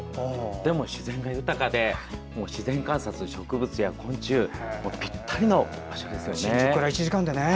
でも自然が豊かで自然観察、植物や昆虫ぴったりな場所です。